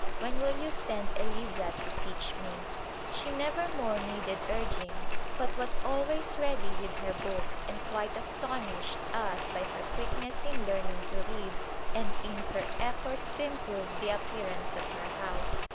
When will you send Eliza to teach me ?" She nevermore needed urging but was always ready with her book and quite astonished us by her quickness in learning to read and in her efforts to improve the appearance of her house.